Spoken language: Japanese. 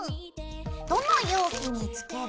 どの容器につける？